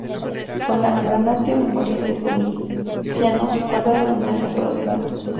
Con la "damnatio memoriae" de Domiciano, pasó a denominarse Foro de Nerva.